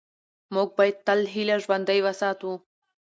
موږ باید تل هیله ژوندۍ وساتو